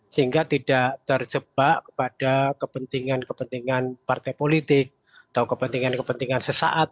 sehingga tidak terjebak kepada kepentingan kepentingan partai politik atau kepentingan kepentingan sesaat